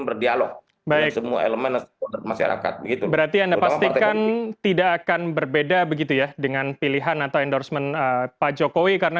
berarti anda pastikan tidak akan berbeda begitu ya dengan pilihan atau endorsement pak jokowi karena